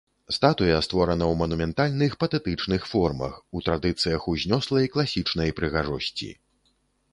Статуя створана ў манументальных, патэтычных формах, у традыцыях узнёслай класічнай прыгажосці.